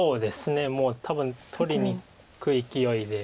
もう多分取りにいくいきおいで。